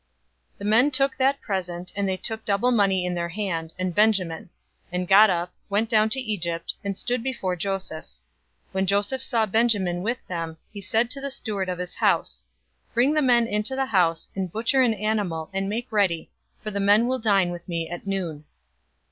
043:015 The men took that present, and they took double money in their hand, and Benjamin; and got up, went down to Egypt, and stood before Joseph. 043:016 When Joseph saw Benjamin with them, he said to the steward of his house, "Bring the men into the house, and butcher an animal, and make ready; for the men will dine with me at noon."